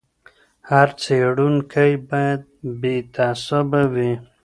هر څېړونکی باید بې تعصبه وي.